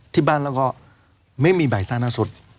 ที่บ้านเราก็ไม่มีใบสานัสุด